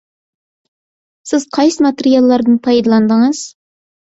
سىز قايسى ماتېرىياللاردىن پايدىلاندىڭىز؟